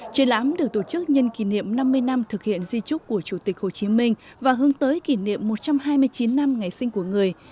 triển lãm được tổ chức nhân kỷ niệm năm mươi năm thực hiện di trúc của chủ tịch hồ chí minh và hướng tới kỷ niệm một trăm hai mươi chín năm ngày sinh của người